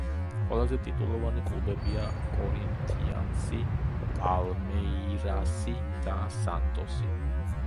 ყველაზე ტიტულოვანი კლუბებია: კორინთიანსი, პალმეირასი და სანტოსი.